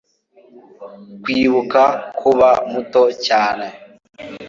kwibuka kuba muto cyane